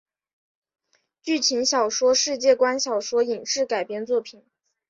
剧情小说世界观小说影视改编作品